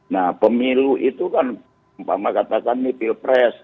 nah pemilu itu kan mbak ma katakan nih pilpres